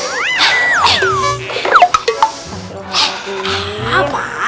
ustazah insya allah udah ya